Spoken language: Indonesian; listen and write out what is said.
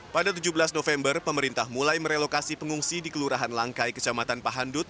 pada tujuh belas november pemerintah mulai merelokasi pengungsi di kelurahan langkai kecamatan pahandut